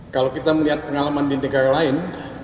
kalau kita melihat pengalaman di negara lain